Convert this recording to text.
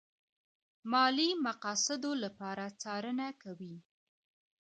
ماليې مقاصدو لپاره څارنه کوي.